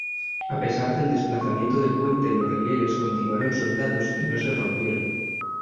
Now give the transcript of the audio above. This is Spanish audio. A pesar del desplazamiento del puente, los rieles continuaron soldados y no se rompieron.